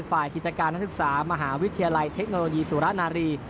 ฝ่ายกิจการนักศึกษามหาวิทยาลัยเทคโนโลยีสุรนารี